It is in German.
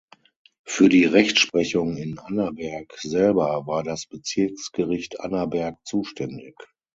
Für die Rechtsprechung in Annaberg selber war das Bezirksgericht Annaberg zuständig.